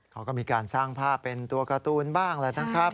เขาก็มีการสร้างภาพเป็นตัวการ์ตูนบ้างแหละนะครับ